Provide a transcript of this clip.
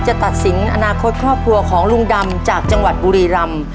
จะตัดสินอนาคตครอบครัวของลุงดำจากจังหวัดบุรีรำ